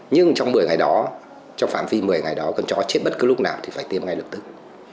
nhưng trong một mươi ngày đó trong phạm vi một mươi ngày đó con chó chết bất cứ lúc nào thì phải tiêm ngay lập tức